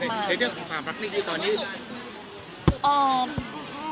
ในเรื่องของความรักนิ่งที่ตอนนี้